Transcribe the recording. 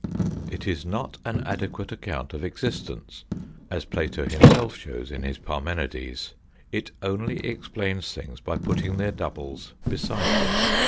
It is not an adequate account of exist ence, as Plato himself shows in his " Parmenides "; it only explains things by putting their doubles beside them.